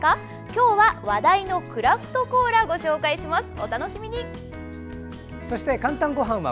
今日は話題のクラフトコーラご紹介します。